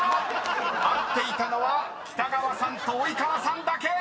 ［合っていたのは北川さんと及川さんだけ！］